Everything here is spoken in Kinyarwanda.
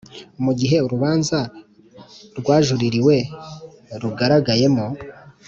Mu gihe urubanza rwajuririwe rugaragayemo